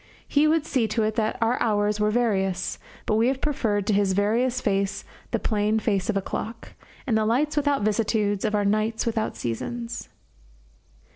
He would see to it that our hours were various; but we have preferred to his various face the plain face of a clock, and the lights without vicissitudes of our nights without seasons.